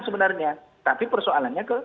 sebenarnya tapi persoalannya